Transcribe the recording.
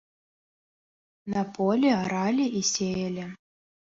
На полі аралі і сеялі.